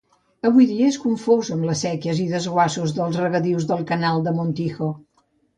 Avui dia és confós amb les séquies i desguassos dels regadius del Canal de Montijo.